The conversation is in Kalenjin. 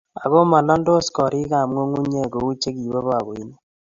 ago malaldos korik ap ng'ung'unyek kou chekibo pakoinik.